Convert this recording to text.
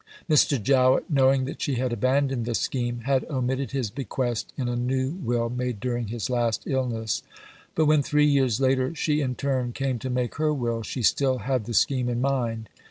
Mr. Jowett, knowing that she had abandoned the scheme, had omitted his bequest in a new will made during his last illness. But when three years later she in turn came to make her will she still had the scheme in mind.